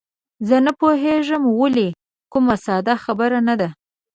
زه نه پوهېږم ویل، کومه ساده خبره نه ده.